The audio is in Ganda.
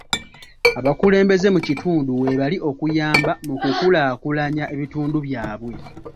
Abakulembeze mu kitundu weebali okuyamba mu kukulaakulanya ebitundu byabwe.